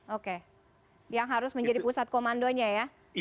oke yang harus menjadi pusat komandonya ya